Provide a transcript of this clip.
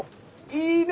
いいね！